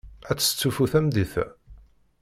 Ad testufu tameddit-a?